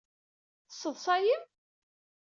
Tesseḍṣayem?